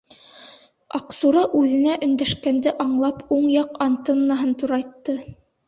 Аҡсура, үҙенә өндәшкәнде аңлап, уң яҡ антеннаһын турайтты.